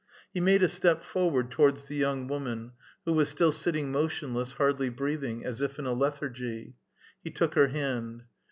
He made a step forward towards the young woman, who was still sitting motionless, hardly breathing, as if in a lethargy. He took her hand.